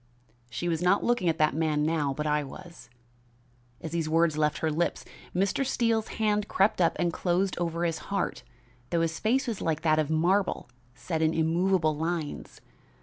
She was not looking at that man now, but I was. As these words left her lips, Mr. Steele's hand crept up and closed over his heart, though his face was like that of a marble image set in immovable lines.